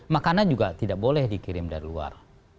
makanan juga tidak boleh dikirim dari luar